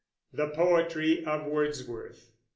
THE POETRY OF WORDSWORTH.